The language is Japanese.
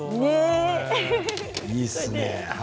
いいですね。